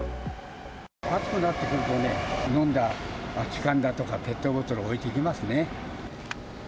暑くなってくるとね、飲んだ空き缶だとかペットボトルを置いていきますね。